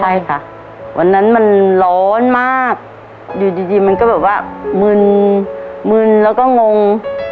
ใช่ค่ะวันนั้นมันร้อนมากอยู่ดีมันก็แบบว่ามึนมึนแล้วก็งง